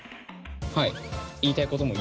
はい。